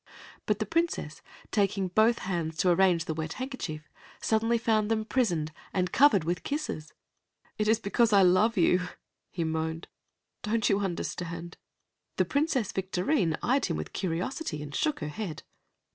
But the Princess, taking both hands to arrange the wet handkerchief, suddenly found them prisoned and covered with kisses. "It is because I love you," he moaned. "Don't you understand?" Princess Victorine eyed him with curiosity, and shook her head.